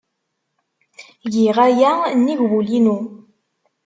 Giɣ aya nnig wul-inu!